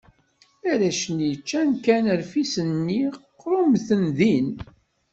Arrac-nni ččan kan rfis-nni, qrumten din.